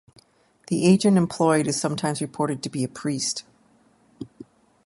The agent employed is sometimes reported to be a priest.